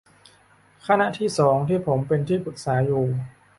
คณะที่สอง ที่ผมเป็นที่ปรึกษาอยู่